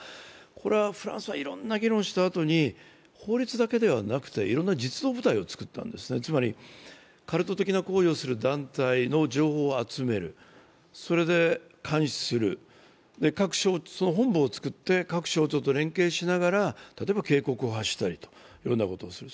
これはフランスはいろんな議論をしたあとに法律だけではなくていろいろな実働部隊を作ったんですね、つまりカルト的行為をする団体の情報を集める、それで監視する、その本部を作って、各省庁と連携しながら、例えば警告を発したりということをする。